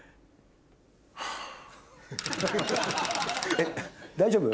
えっ大丈夫？